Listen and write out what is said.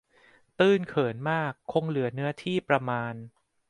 ตื้นเขินมากคงเหลือเนื้อที่ประมาณ